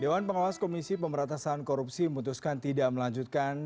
dewan pengawas komisi pemberatasan korupsi memutuskan tidak melanjutkan